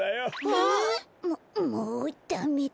えっ？ももうダメだ。